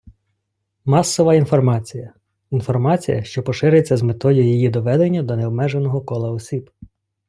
Масова інформація - інформація, що поширюється з метою її доведення до необмеженого кола осіб.